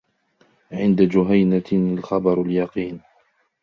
عند جهينة الخبر اليقين.